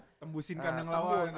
tembusin kandang lawan